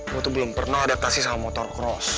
gue tuh belum pernah adaptasi sama motocross